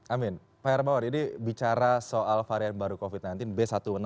amin pak hermawan ini bicara soal varian baru covid sembilan belas b seribu enam ratus empat puluh dua